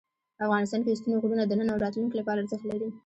افغانستان کې ستوني غرونه د نن او راتلونکي لپاره ارزښت لري.